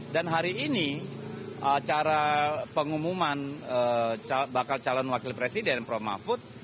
dan hari ini cara pengumuman bakal calon wakil presiden pramahfud